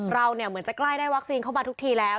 เราเหมือนจะใกล้ได้วัคซีนเข้ามาทุกทีแล้ว